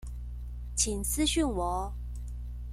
請私訊我唷